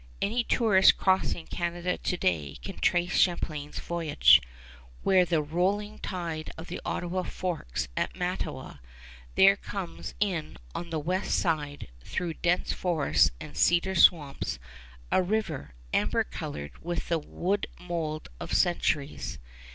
Any tourist crossing Canada to day can trace Champlain's voyage. Where the rolling tide of the Ottawa forks at Mattawa, there comes in on the west side, through dense forests and cedar swamps, a river amber colored with the wood mold of centuries.